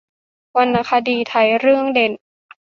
วรรณคดีไทยเรื่องเด่น